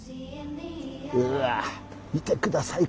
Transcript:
うわ見てください